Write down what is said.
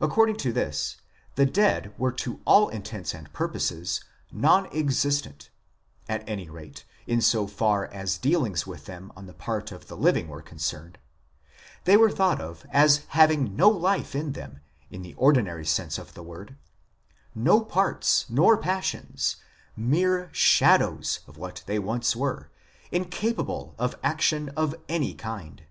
According to this the dead were to all intents and purposes non existent, at any rate in so far as dealings with them on the part of the living were concerned ; they were thought of as having no life in them in the ordinary sense of the word, no parts nor passions, mere shadows of what they once were, incapable of action of any kind.